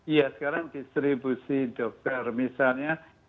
iya sekarang distribusi dokter misalnya